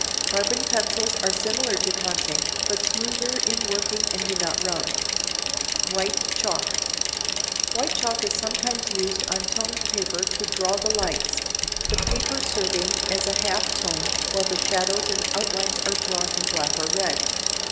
Carbon pencils are similar to Conté, but smoother in working and do not rub. [Sidenote: White chalk.] White chalk is sometimes used on toned paper to draw the lights, the paper serving as a half tone while the shadows and outlines are drawn in black or red.